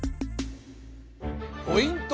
ポイント